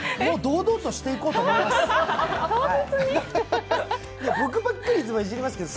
もう堂々としていこうと思います。